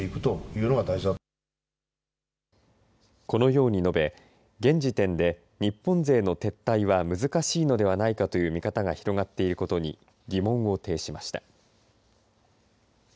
このように述べ現時点で日本勢の撤退は難しいのではないかという見方が広がっていることに疑問を呈しました。